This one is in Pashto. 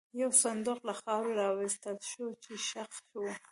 یو صندوق له خاورې را وایستل شو، چې ښخ و.